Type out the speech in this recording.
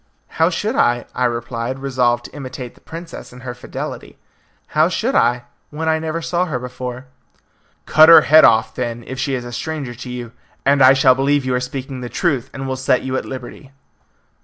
"How should I?" I replied, resolved to imitate the princess in her fidelity. "How should I, when I never saw her before?" "Cut her head off," then, "if she is a stranger to you, and I shall believe you are speaking the truth, and will set you at liberty."